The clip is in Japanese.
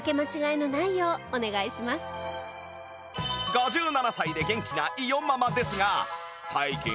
５７歳で元気な伊代ママですが